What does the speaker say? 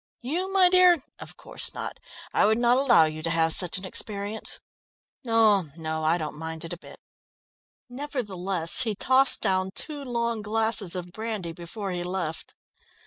"You, my dear? Of course not! I would not allow you to have such an experience. No, no, I don't mind it a bit." Nevertheless, he tossed down two long glasses of brandy before he left.